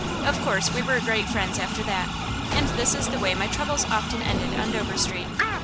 Of course we were great friends after that, and this is the way my troubles often ended on Dover Street.